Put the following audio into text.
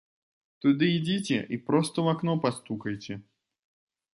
Туды ідзіце і проста ў акно пастукаеце.